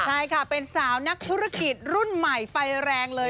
ใช่ค่ะเป็นสาวนักธุรกิจรุ่นใหม่ไฟแรงเลย